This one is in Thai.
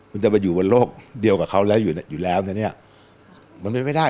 คุณจะไปอยู่บนโลกเดียวกับเขาแล้วอยู่แล้วนะเนี่ยมันเป็นไม่ได้